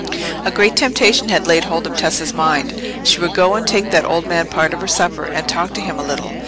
A great temptation had laid hold of Tessa's mind; she would go and take that old man part of her supper, and talk to him a little.